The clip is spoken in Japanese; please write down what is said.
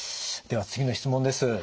では次の質問です。